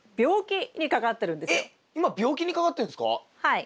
はい。